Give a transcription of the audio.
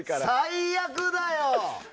最悪だよ！